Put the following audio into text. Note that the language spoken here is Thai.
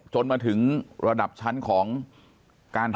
จนมาถึงระดับชั้นของการถึงการสมัคร